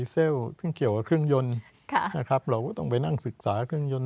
เซลล์ซึ่งเกี่ยวกับเครื่องยนต์นะครับเราก็ต้องไปนั่งศึกษาเครื่องยนต์